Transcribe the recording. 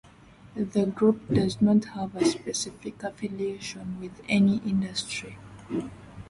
The group does not have a specific affiliation with any industry.